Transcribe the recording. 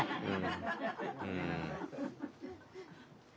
うん。